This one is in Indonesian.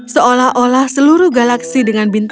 seolah olah seluruh galaksi dengan berlian kecil